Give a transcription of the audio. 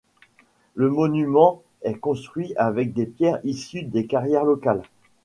Le monument est construit avec des pierres issues des carrières locales.